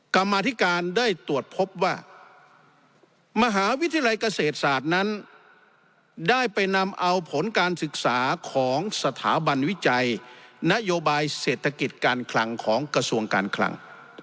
กรรมาธิการได้ตรวจพบว่ามหาวิทยาลัยเกษตรศาสตร์นั้นได้ไปนำเอาผลการศึกษาของสถาบันวิจัยนโยบายเศรษฐกิจการคลังของกระทรวงการคลัง